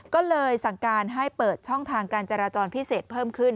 ก็เลยสั่งการให้เปิดช่องทางการจราจรพิเศษเพิ่มขึ้น